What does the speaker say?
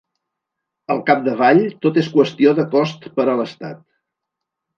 Al capdavall tot és qüestió de cost per a l’estat.